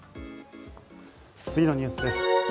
次のニュースです。